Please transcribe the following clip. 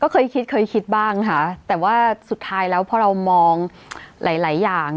เคยคิดเคยคิดบ้างค่ะแต่ว่าสุดท้ายแล้วพอเรามองหลายหลายอย่าง